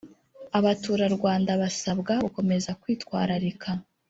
abaturarwanda basabwa gukomeza kwitwararika